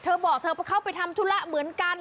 เธอบอกเธอเข้าไปทำธุระเหมือนกัน